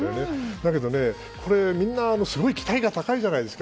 だけどね、これ、みんなすごい期待が高いじゃないですか。